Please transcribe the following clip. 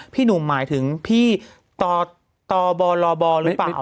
พี่หนูหมายถึงพี่ต่อบ่อหรือเปล่า